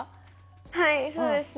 はい、そうですね。